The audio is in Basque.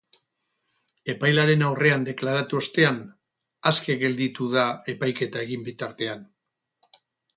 Epailearen aurrean deklaratu ostean, aske gelditu da epaiketa egin bitartean.